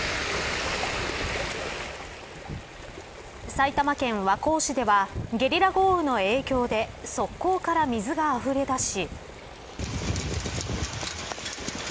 埼玉県和光市ではゲリラ豪雨の影響で側溝から水があふれだし。